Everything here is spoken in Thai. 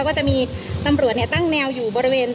ก็จะมีตำรวจตั้งแนวอยู่บริเวณ